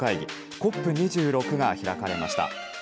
ＣＯＰ２６が開かれました。